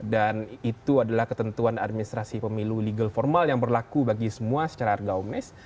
dan itu adalah ketentuan administrasi pemilu legal formal yang berlaku bagi semua secara harga omnis